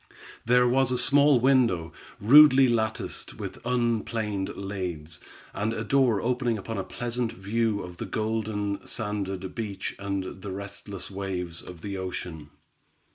There was a small window, rudely latticed with unplaned laths, and a door opening upon a pleasant view of the golden sanded beach and the restless waves of the ocean.